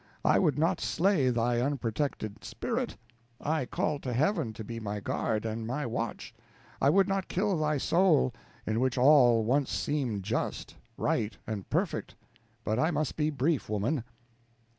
I would not slay thy unprotected spirit. I call to Heaven to be my guard and my watch I would not kill thy soul, in which all once seemed just, right, and perfect; but I must be brief, woman.